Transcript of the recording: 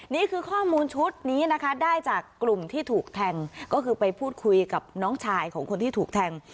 นี่คือข้อมูลชุดนี้นะคะได้จากกลุ่มที่ถูกแทงก็คือไปพูดคุยกับน้องชายของคนที่ถูกแทง